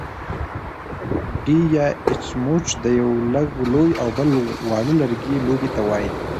ډی يا اچموچ د يوۀ لږ لوی او بل واړۀ لرګي لوبې ته وايي.